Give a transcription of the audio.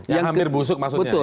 yang hampir busuk maksudnya